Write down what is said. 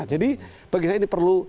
jadi bagi saya ini perlu